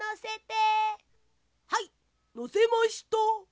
はいのせました！